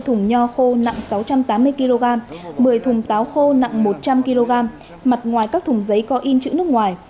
hai thùng nho khô nặng sáu trăm tám mươi kg một mươi thùng táo khô nặng một trăm linh kg mặt ngoài các thùng giấy có in chữ nước ngoài